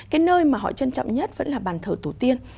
cái nơi mà họ trân trọng nhất vẫn là bàn thờ tổ tiên